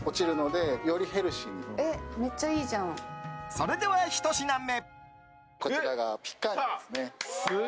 それでは、ひと品目！